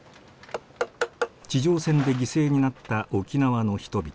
地上戦で犠牲になった沖縄の人々。